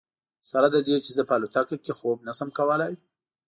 سره له دې چې زه په الوتکه کې خوب نه شم کولی.